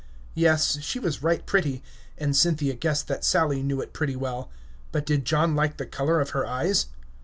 "Yes, she was right pretty;" and Cynthia guessed that Sally knew it pretty well. But did John like the color of her eyes?